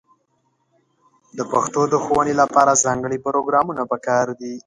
د پښتو د ښوونې لپاره ځانګړې پروګرامونه په کار دي.